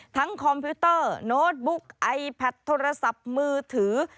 คอมพิวเตอร์โน้ตบุ๊กไอแพทโทรศัพท์มือถือ